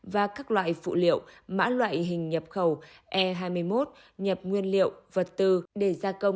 và các loại phụ liệu mã loại hình nhập khẩu e hai mươi một nhập nguyên liệu vật tư